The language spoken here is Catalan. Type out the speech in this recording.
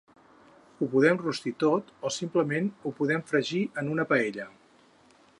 Ho podem rostir tot o simplement ho podem fregir en una paella.